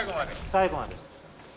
最後まで。